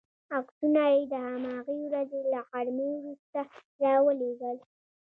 عکسونه یې د هماغې ورځې له غرمې وروسته را ولېږل.